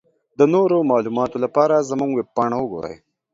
د نورو معلوماتو لپاره زمونږ ويبپاڼه وګورٸ.